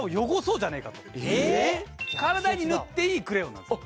えぇ⁉体に塗っていいクレヨンなんです。